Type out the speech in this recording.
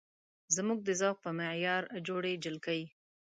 زموږ د ذوق په معیار جوړې جلکۍ